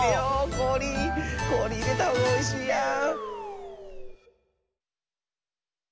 こおりこおりいれたほうおいしいやん！